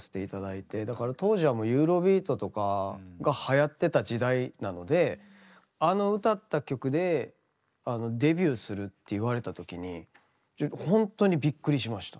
だから当時はもうユーロビートとかがはやってた時代なのであの歌った曲でデビューするって言われた時にほんとにびっくりしました。